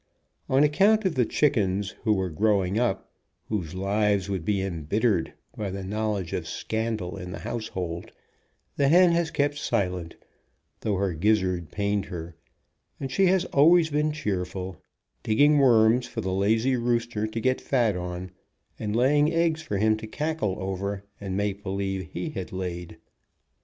On account of the chickens, who were growing up, whose lives would be embit tered by the knowledge of scandal in the household, the hen has kept silent, though her gizzard pained her, and she has always been cheerful, digging worms for the lazy rooster to get fat on, and laying eggs for him to cackle over, and make believe he had laid.